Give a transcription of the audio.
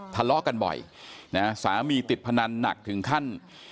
ทะเลาะกันบ่อยนะสามีติดพนันหนักถึงขั้น